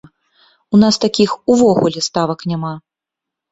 У нас такіх увогуле ставак няма.